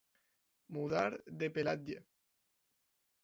Mudar de pelatge.